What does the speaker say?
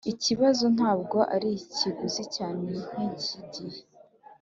ikibazo ntabwo ari ikiguzi cyane nkigihe.